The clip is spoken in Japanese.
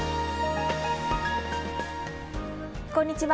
こんにちは。